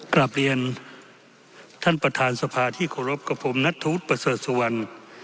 กราบเรียนท่านประธานสภาที่โครบกับผมนัทธุศิประเสดสวรรณ